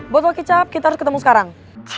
botol kecap kita harus ketemu sekarang